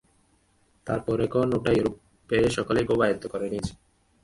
তারপর এখন ওটা ইউরোপে সকলেই খুব আয়ত্ত করে নিয়েছে।